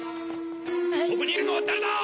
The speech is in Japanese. そこにいるのは誰だ！？